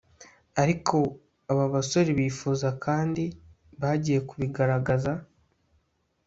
Ariko aba basore bifuza Kandi bagiye kubigaragaza